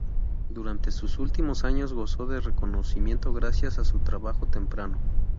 Durante sus últimos años gozó de reconocimiento gracias a su trabajo temprano.